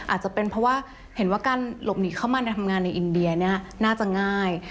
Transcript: อาจจะเป็นเพราะว่าเห็นว่าการหลบหนีเข้ามาในทำงานในอินเดียเนี่ยน่าจะง่าย